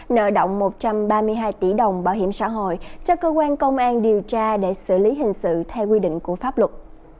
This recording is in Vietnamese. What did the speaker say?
nợ động một trăm ba mươi hai tỷ đồng bảo hiểm xã hội cho cơ quan công an điều tra để xử lý hình sự theo quy định của pháp luật